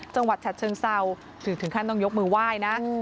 จังหวัดฉัดเชิงเซาถือถึงข้านต้องยกมือว่ายนะ